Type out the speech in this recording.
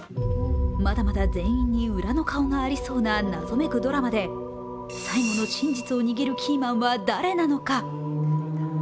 まだまだ全員に裏の顔がありそうな謎めくドラマで最後の真実を握るキーマンは誰なのか。